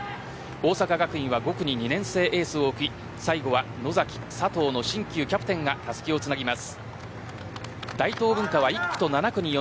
大阪学院は５区に２年生エースを置き最後は、野崎、佐藤の新旧キャプテンがたすきをつなぎます。